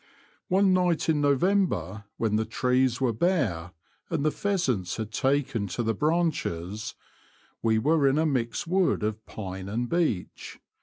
One night in November when the trees were bare, and the pheasants had taken to the branches, we were in a mixed wood of pine and beech.